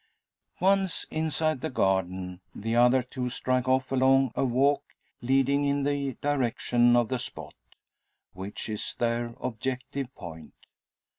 Once inside the garden, the other two strike off along a walk leading in the direction of the spot, which is their objective point.